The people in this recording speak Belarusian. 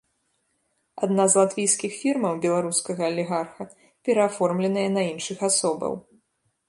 Адна з латвійскіх фірмаў беларускага алігарха перааформленая на іншых асобаў.